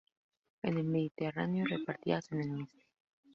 En el Mediterráneo, repartidas en el oeste.